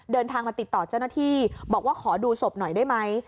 เดินทางมาติดต่อเจ้าหน้าที่บอกว่าขอดูศพหน่อยได้ไหม